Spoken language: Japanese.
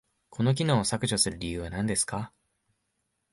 この機能を削除する理由は何ですか？